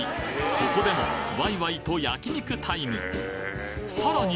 ここでもワイワイと焼肉タイムさらに